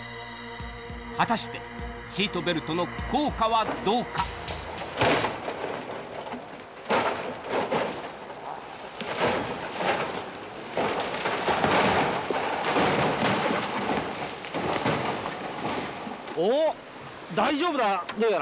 果たしてシートベルトの効果はどうかお大丈夫だどうやら。